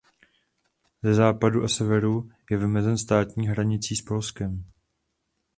Ze západu a severu je vymezen státní hranicí s Polskem.